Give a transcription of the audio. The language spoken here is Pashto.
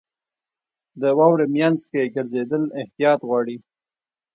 • د واورې مینځ کې ګرځېدل احتیاط غواړي.